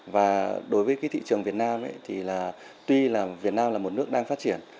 và đối với cái thị trường việt nam thì là tuy là việt nam là một nước đang phát triển